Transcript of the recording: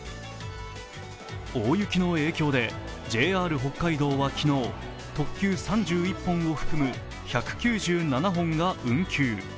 大雪の影響でＪＲ北海道は昨日特急３１本を含む１９７本が運休。